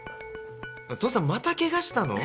父さんまたケガしたの？